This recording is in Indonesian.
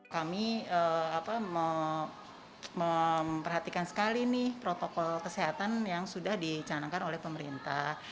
kami memperhatikan sekali protokol kesehatan yang sudah dicanangkan oleh pemerintah